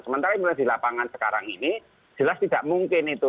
sementara yang di lapangan sekarang ini jelas tidak mungkin itu